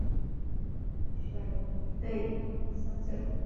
翌季史托迪尔没有获一队选派上阵。